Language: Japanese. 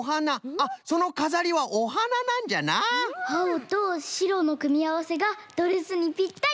あおとしろのくみあわせがドレスにぴったり！